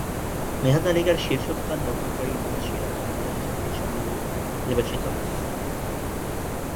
মেধাতালিকায় শীর্ষস্থান দখলকারী মুনশিরা বঙ্গদেশে চাকুরির জন্য নির্বাচিত হতো।